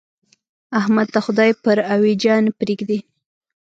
احمد د خدای پر اوېجه نه پرېږدي.